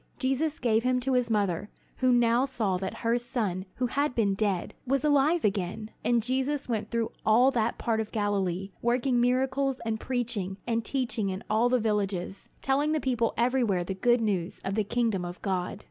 Jesus gave him to his mother, who now saw that her son who had been dead, was alive again. And Jesus went through all that part of Galilee, working miracles and preaching and teaching in all the villages, telling the people everywhere the good news of the kingdom of God.